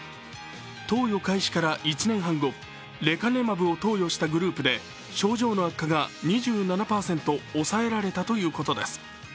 投与開始から１年半後レカネマブを投与したグループで症状の悪化が２７％抑えられたということです。